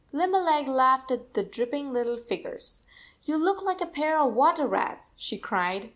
Limberleg laughed at the dripping little figures. 11 You look like a pair of water rats," she cried.